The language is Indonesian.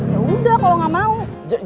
ya udah kalau nggak mau